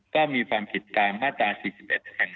ก็มีฟังผิดตามมาตรา๔๑จากพวารบทเครื่องสำอางนะครับ